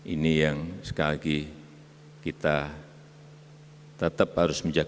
ini yang sekali lagi kita tetap harus menjaga